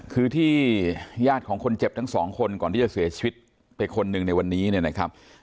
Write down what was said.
คือที่ญาติของคนเจ็บทั้งสองคนก่อนที่จะเสียชีวิตไปคนหนึ่งในวันนี้เนี่ยนะครับ